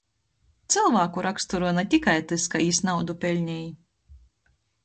Cylvāku raksturoj na tikai tys, kai jis naudu peļnej.